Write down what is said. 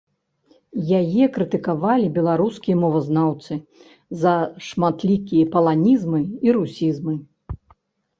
Яе крытыкавалі беларускія мовазнаўцы за шматлікія паланізмы і русізмы.